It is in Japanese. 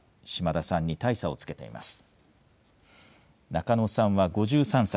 中野さんは５３歳。